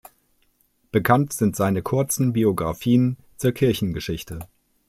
Bekannt sind seine kurzen Biographien zur Kirchengeschichte.